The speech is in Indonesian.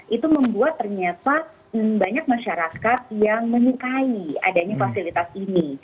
itu membuat ternyata banyak masyarakat yang menyukai adanya fasilitas ini